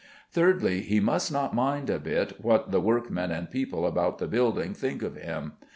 Thirdly, he must not mind a bit what the workmen and people about the building think of him.